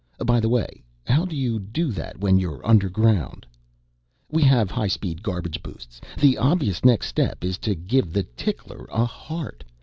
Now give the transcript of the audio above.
By the way, how do you do that when you're underground?" "We have hi speed garbage boosts. The obvious next step is you give the tickler a heart.